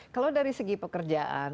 kalau dari segi pekerjaan